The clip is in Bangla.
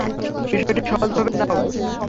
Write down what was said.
বিষয়টি সহজভাবে নাও।